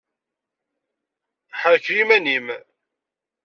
Ḥerkel iman-im!